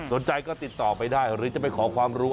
สนใจก็ติดต่อไปได้หรือจะไปขอความรู้